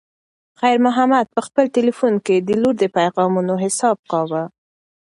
خیر محمد په خپل تلیفون کې د لور د پیغامونو حساب کاوه.